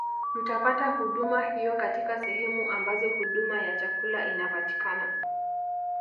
Mtapata huduma hiyo katika sehemu ambazo huduma ya chakula inapatikana